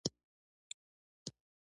یو سل او لسمه پوښتنه د انتظار حالت دی.